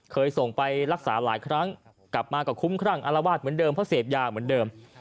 เคยส่งไปรักษาหลายครั้งกลับมาก็คุ้มครั่งอารวาสเหมือนเดิมเพราะเสพยาเหมือนเดิม